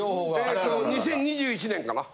えと２０２１年かな？